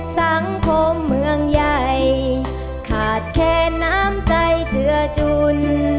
สังคมเมืองใหญ่ขาดแค่น้ำใจเจือจุน